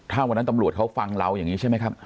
ถ้าวันนั้นตำรวจเขาฟังเราอย่างนี้ใช่ไหมครับ